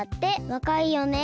わかいよね。